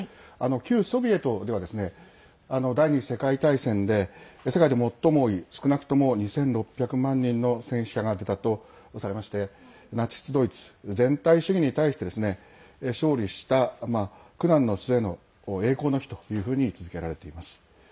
旧ソビエトでは第２次世界大戦で世界で最も多い少なくとも２６００万人の戦死者が出たとされましてナチス・ドイツ全体主義に対して勝利した苦難の末の栄光の日というふうに位置づけられています。